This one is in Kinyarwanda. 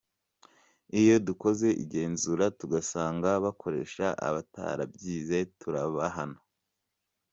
Iyo dukoze igenzura tugasanga bakoresha abatarabyize turabahana.